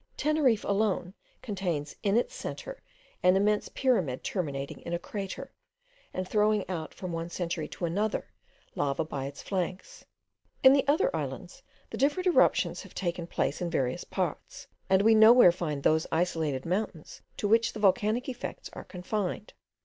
Teneriffe alone contains in its centre an immense pyramid terminating in a crater, and throwing out, from one century to another, lava by its flanks. In the other islands, the different eruptions have taken place in various parts; and we nowhere find those isolated mountains to which the volcanic effects are confined.